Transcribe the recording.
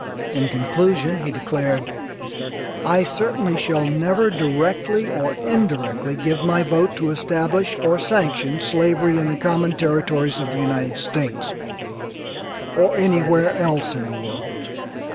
In conclusion he declared: "I certainly shall never directly or indirectly give my vote to establish or sanction slavery in the common territories of the United States, or anywhere else in the world."